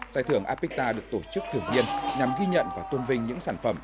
giải thưởng apicta được tổ chức thường niên nhằm ghi nhận và tôn vinh những sản phẩm